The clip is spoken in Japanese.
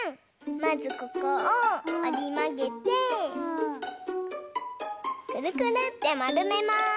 まずここをおりまげてくるくるってまるめます！